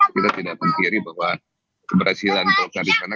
kita tidak pungkiri bahwa keberhasilan golkar di sana